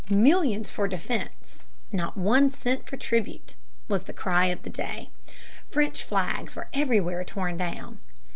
"Millions for defense, not one cent for tribute," was the cry of the day. French flags were everywhere torn down.